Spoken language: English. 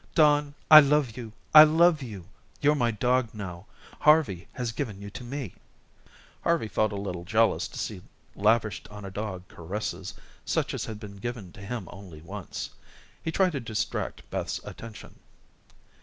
"Don, I love you, I love you. You're my dog now. Harvey has given you to me." Harvey felt a little jealous to see lavished on a dog caresses, such as had been given to him only once. He tried to distract Beth's attention.